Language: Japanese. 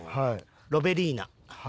ロベリーナ。